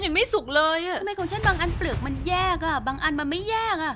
ทำไมของฉันบางอันเปลือกมันแยกบางอันมันไม่แยก